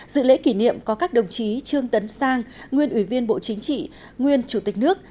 dự lễ kỷ niệm có các đồng chí trương tấn sang nguyên ủy viên bộ chính trị nguyên chủ tịch nước